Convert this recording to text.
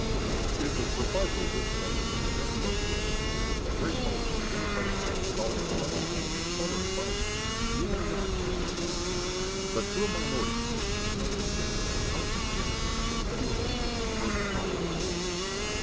It was precisely at this point that the bent bow broke. The great bulk of the Democratic party followed the President and his Southern advisers, even in this extreme step; but to a minority sufficient to turn the scale the Lecompton scandal had become too offensive for further tolerance.